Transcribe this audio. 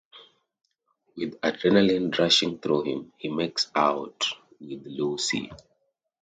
With adrenaline rushing through him, he makes out with Lucy.